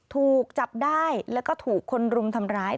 ถูกจับได้แล้วก็ถูกคนรุมทำร้าย